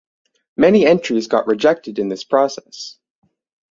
Many entries got rejected in this process.